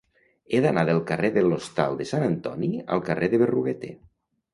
He d'anar del carrer de l'Hostal de Sant Antoni al carrer de Berruguete.